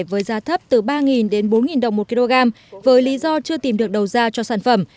với giá thấp từ ba đến bốn đồng một kg với lý do chưa tìm được đầu ra cho sản phẩm